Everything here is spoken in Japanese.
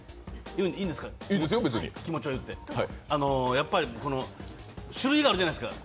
やっぱり種類があるじゃないですか。